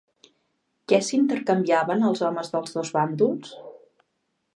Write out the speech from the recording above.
Què s'intercanviaven els homes dels dos bàndols?